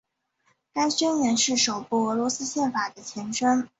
该宣言是首部俄罗斯宪法的前身。